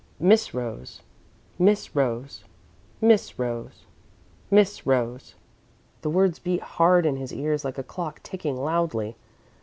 "Miss Rose, Miss Rose, Miss Rose, Miss Rose." The words beat hard in his ears like a clock ticking loudly.